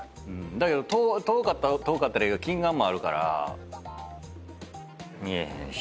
だけど遠かったら遠かったで近眼もあるから見えへんし。